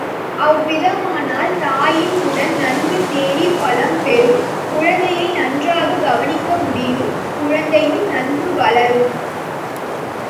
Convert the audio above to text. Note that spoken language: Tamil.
அவ்விதமானால் தாயின் உடல் நன்கு தேறி பலம் பெறும், குழந்தையை, நன்றாகக் கவனிக்க முடியும், குழந்தையும் நன்கு, வளரும்.